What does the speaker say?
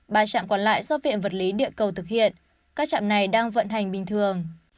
ba trạm còn lại do viện vật lý địa cầu thực hiện các trạm này đang vận hành bình thường